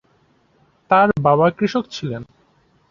তাঁর বাবা কৃষক ছিলেন।